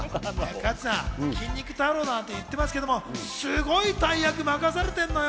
加藤さん、筋肉太郎なんて言ってるけどすごい大役任されてるのよ。